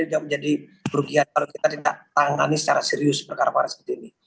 itu menjadi kerugian kalau kita tidak tangani secara serius perkara perkara seperti ini